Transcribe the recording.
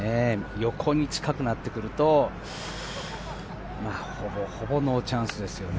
横に近くなってくると、ほぼほぼノーチャンスですよね。